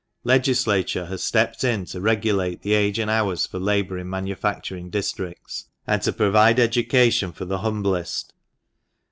Legislature has stepped in to regulate the age and hours for labour in manufacturing districts, and to provide education for the humblest.